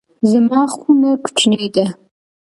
زما خونه کوچنۍ ده